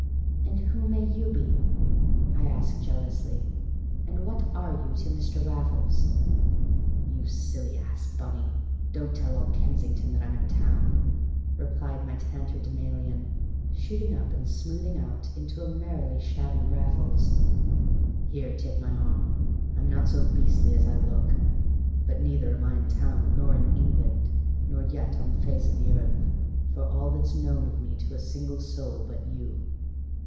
"And who may you be?" I asked jealously. "And what are you to Mr. Raffles?" "You silly ass, Bunny, don't tell all Kensington that I'm in town!" replied my tatterdemalion, shooting up and smoothing out into a merely shabby Raffles. "Here, take my arm I'm not so beastly as I look. But neither am I in town, nor in England, nor yet on the face of the earth, for all that's known of me to a single soul but you."